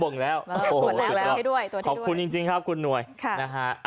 บ่งแล้วตัวให้ด้วยตัวให้ด้วยขอบคุณจริงครับคุณหน่วยค่ะนะฮะ